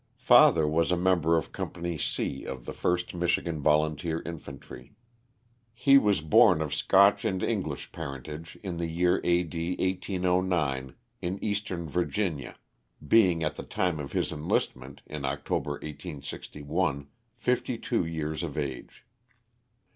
Father was a member of Company C of the 1st Michigan Vol unteer Infantry. He was born of Scotch and English parentage in the year A. D. 1809, in eastern Virginia, being at the time of his enlistment (in October, 1861,) fifty two years of age.